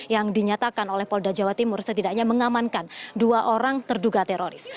yang dinyatakan oleh polda jawa timur setidaknya mengamankan dua orang terduga teroris